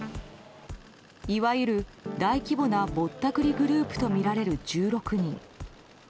いわゆる大規模なぼったくりグループとみられる１６人。